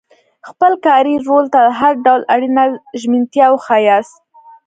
خپل کاري رول ته هر ډول اړینه ژمنتیا وښایاست.